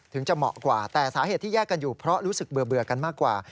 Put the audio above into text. ถึงเหมาะกว่า